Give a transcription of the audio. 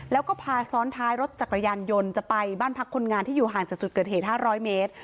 แล้วก็พาซ้อนท้ายรถจักรยานยนต์จะไปบ้านพักคนงานที่อยู่ห่างจากจุดเกิดเหตุ๕๐๐เมตร